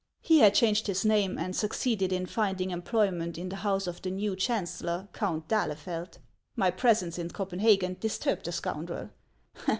He had changed his name, and succeeded in finding em ployment in the house of the new chancellor, Count d'Ahlefeld. My presence in Copenhagen disturbed the scoundrel.